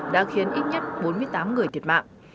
đã khiến ít nhất bốn mươi tám người thiệt mạng